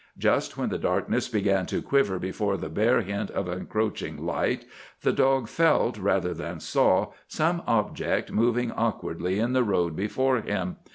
Just when the darkness began to quiver before the bare hint of encroaching light the dog felt, rather than saw, some object moving awkwardly in the road before him.